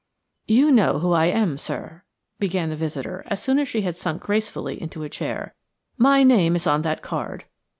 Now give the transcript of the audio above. "You know who I am, sir," began the visitor as soon as she had sunk gracefully into a chair; "my name is on that card.